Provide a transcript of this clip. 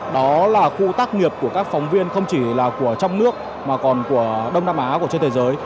đó là khu tác nghiệp của các phóng viên không chỉ là của trong nước mà còn của đông nam á của trên thế giới